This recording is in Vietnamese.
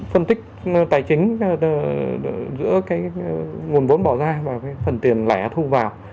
phân tích tài chính giữa nguồn vốn bỏ ra và phần tiền lẻ thu vào